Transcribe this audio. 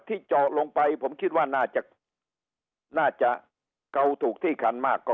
เจาะลงไปผมคิดว่าน่าจะน่าจะเกาถูกที่คันมากก็